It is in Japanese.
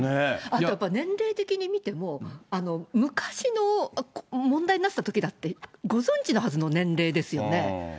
あとやっぱり年齢的に見ても、昔の問題になってたときだって、ご存じのはずの年齢ですよね。